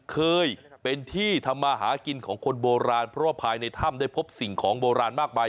เคยเป็นที่ทำมาหากินของคนโบราณเพราะว่าภายในถ้ำได้พบสิ่งของโบราณมากมาย